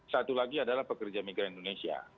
satu lagi adalah pekerja migran indonesia